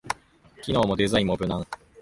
機能もデザインも無難